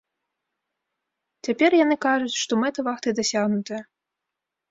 Цяпер яны кажуць, што мэта вахты дасягнутая.